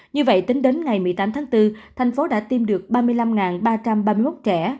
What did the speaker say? như vậy tính đến ngày một mươi tám tháng bốn thành phố đã tiêm được ba mươi năm ba trăm ba mươi một trẻ